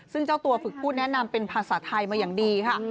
ซึ่งเจ้าตัวฝึกพูดแนะนำเป็นภาษาไทยมาอย่างดีค่ะ